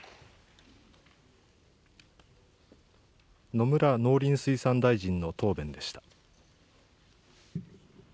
野村農林水産大臣の答弁でした。